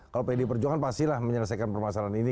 kalau pdi perjohan pasti lah menyelesaikan permasalahan ini